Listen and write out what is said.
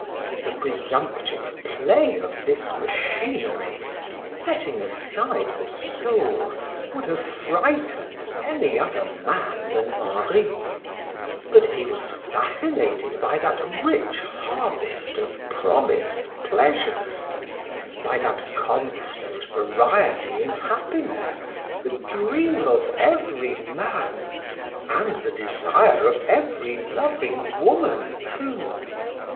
The presumptive play of this machinery, setting aside the soul, would have frightened any other man than Henri; but he was fascinated by that rich harvest of promised pleasures, by that constant variety in happiness, the dream of every man, and the desire of every loving woman too.